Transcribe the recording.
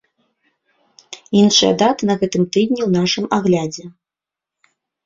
Іншыя даты на гэтым тыдні ў нашым аглядзе.